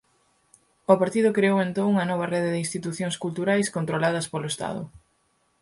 O partido creou entón unha nova rede de institucións culturais controladas polo estado.